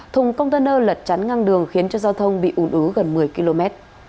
thùng container lật chắn ngang đường khiến cho giao thông bị ủn ứ gần một mươi km